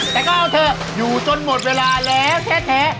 แต่ก็เอาเถอะอยู่จนหมดเวลาแล้วแท้